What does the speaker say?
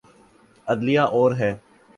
عدلیہ اور ہے۔